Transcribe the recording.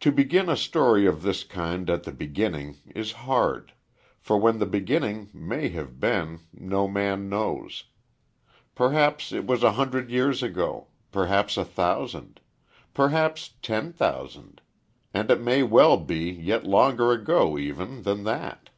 To begin a story of this kind at the beginning is hard; for when the beginning may have been, no man knows. Perhaps it was a hundred years ago perhaps a thousand perhaps ten thousand; and it may well be, yet longer ago, even, than that.